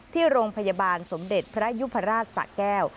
ที่โรงพยาบาลสมเด็จพระยุพราชสะแก้ว